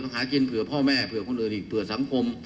หากินเผื่อพ่อแม่เผื่อคนอื่นอีกเผื่อสังคม